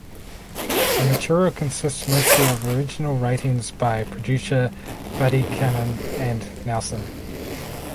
The material consists mostly of original writings by producer Buddy Cannon and Nelson.